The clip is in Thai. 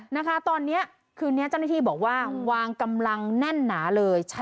นะคะตอนนี้คืนนี้เจ้าหน้าที่บอกว่าวางกำลังแน่นหนาเลย